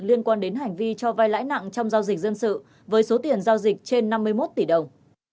liên quan đến hành vi cho vai lãi nặng trong giao dịch dân sự với số tiền giao dịch trên năm mươi một tỷ đồng